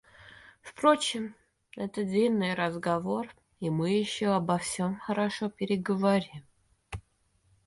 Впрочем, это длинный разговор, и мы еще обо всем хорошо переговорим.